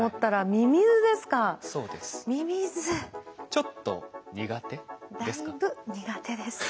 ちょっと苦手ですか？